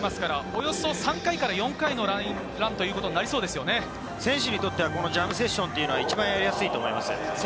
およそ３回から４回のランという選手にとってはジャムセッションは一番やりやすいと思います。